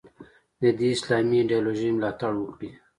د دې اسلامي ایدیالوژۍ ملاتړ وکړي.